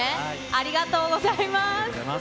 ありがとうございます。